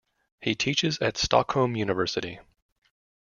He teaches at Stockholm University.